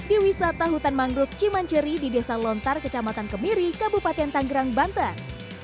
di wisata hutan mangrove cimanceri di desa lontar kecamatan kemiri kabupaten tanggerang banten